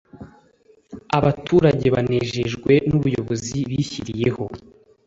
abaturage banejejwe n' ubuyobozi bishyiriyeho